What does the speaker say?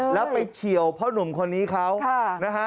แล้วไปเฉียวพ่อหนุ่มคนนี้เขานะฮะ